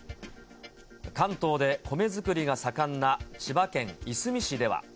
関東で米作りが盛んな千葉県いすみ市では。